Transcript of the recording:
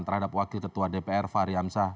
terhadap wakil ketua dpr fahri hamzah